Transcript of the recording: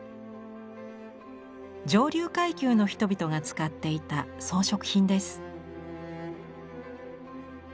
上流階級の人々が使っていた装飾品です。